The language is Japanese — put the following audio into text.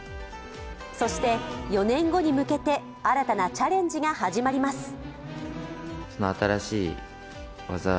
そして４年後に向けて新たなチャレンジが始まります。